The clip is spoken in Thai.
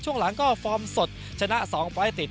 ช่วงหลังก็ฟอร์มสดชนะ๒ไฟล์ติด